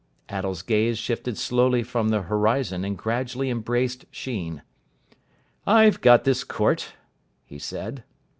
Attell's gaze shifted slowly from the horizon and gradually embraced Sheen. "I've got this court," he said.